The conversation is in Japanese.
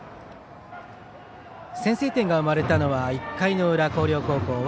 先制点が生まれたのは１回の裏、広陵高校。